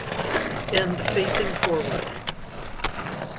End facing forward.